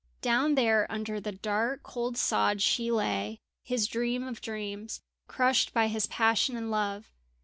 Down there under the dark cold sod she lay, his dream of dreams, crushed by his passion and love.